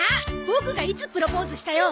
ボクがいつプロポーズしたよ？